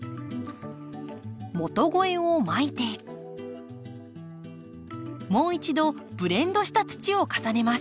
元肥をまいてもう一度ブレンドした土を重ねます。